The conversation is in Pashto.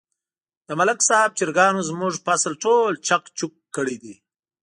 د ملک صاحب چرگانو زموږ فصل ټول چک چوک کړی دی.